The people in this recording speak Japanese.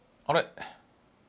あれ？